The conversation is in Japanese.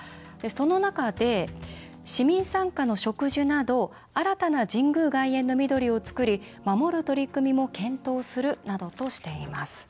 その中で「市民参加の植樹など新たな神宮外苑のみどりを作り守る取組みも検討」するなどとしています。